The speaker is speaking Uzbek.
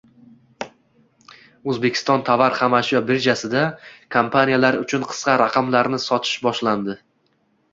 O‘zbekiston tovar-xomashyo birjasida kompaniyalar uchun qisqa raqamlarni sotish boshlandi